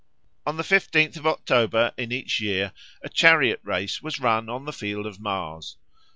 On the fifteenth of October in each year a chariot race was run on the Field of Mars.